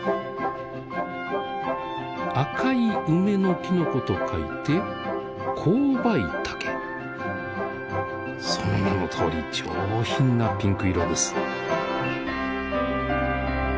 紅い梅のきのこと書いてその名のとおり上品なピンク色です。